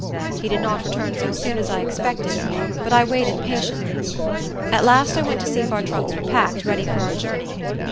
He did not return so soon as I expected; but I waited patiently. At last I went to see if our trunks were packed, ready for our journey.